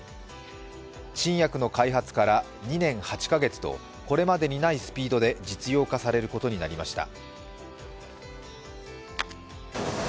新薬の開発から２年８か月と、これまでにないスピードで実用化されることになりました。